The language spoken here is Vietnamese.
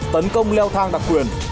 tấn công leo thang đặc quyền